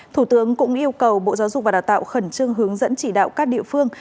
thủ tướng cũng yêu cầu bộ giáo dục và đào tạo khẩn trương hướng dẫn chỉ đạo các địa phương